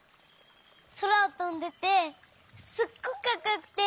そらをとんでてすっごくかっこよくて。